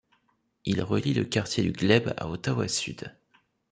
Il relie le quartier du Glebe à Ottawa-Sud.